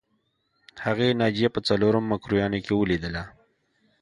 هغې ناجیه په څلورم مکروریانو کې ولیدله